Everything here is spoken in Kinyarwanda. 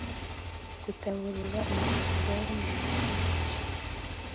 Gutaburura umurambo w umuntu kuwuca